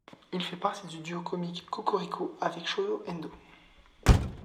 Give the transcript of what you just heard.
Il fait partie du duo comique Cocorico avec Shōzō Endō.